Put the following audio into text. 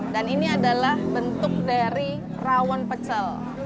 dan ini adalah bentuk dari rawon pecel